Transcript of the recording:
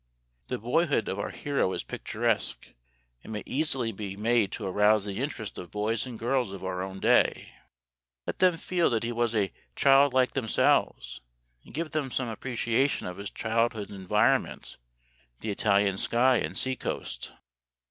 The boyhood of our hero is picturesque and may easily be made to arouse the interest of boys and girls of our own day. Let them feel that he was a child like themselves and give them some appreciation of his childhood's environment, the Italian sky and sea coast.